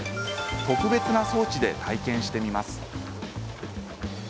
特別な装置で体験してみます。